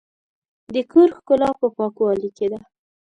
د کور ښکلا په پاکوالي کې ده.